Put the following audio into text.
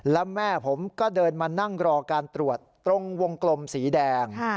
แล้วแม่ผมก็เดินมานั่งรอการตรวจตรงวงกลมสีแดง